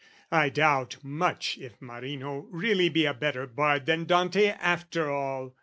"I doubt much if Marino really be "A better bard than Dante after all.